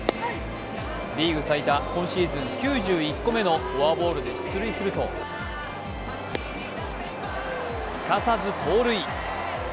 リーグ最多、今シーズン９１個目のフォアボールで出塁するとすかさず盗塁！